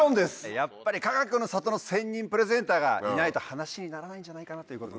やっぱりかがくの里の専任プレゼンターがいないと話にならないんじゃないかなということで。